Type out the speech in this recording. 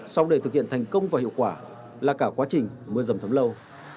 xong để thực hiện thành công và hiệu quả là cả quá trình mưa dầm thấm lâu